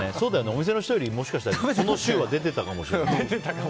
お店の人よりもしかしたら、その週は出てたかもしれない。